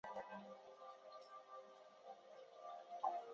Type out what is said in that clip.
林福喜为中国清朝武官。